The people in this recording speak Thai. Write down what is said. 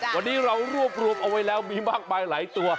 วันนี้เรารวบรวมเอาไว้แล้วมีมากมายหลายตัว